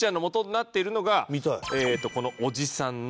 そしてこのおじさんの。